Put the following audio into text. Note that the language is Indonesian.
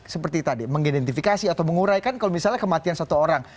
seperti tadi mengidentifikasi atau menguraikan kalau misalnya kematian satu orang